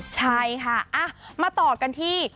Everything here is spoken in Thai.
ใช่ค่ะมาต่อกันที่